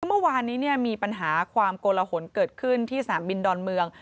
เมื่อวานนี้มีปัญหาความโกลหนเกิดขึ้นที่สนามบินดอนเมือง